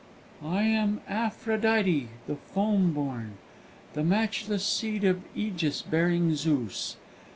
"I am Aphrodite the foam born, the matchless seed of Ægis bearing Zeus.